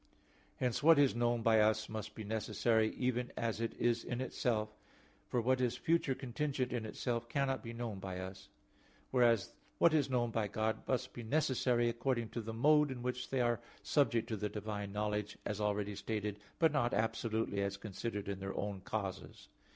Hence what is known by us must be necessary, even as it is in itself; for what is future contingent in itself, cannot be known by us. Whereas what is known by God must be necessary according to the mode in which they are subject to the divine knowledge, as already stated, but not absolutely as considered in their own causes.